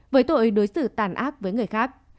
với tội đối xử tàn ác với người khác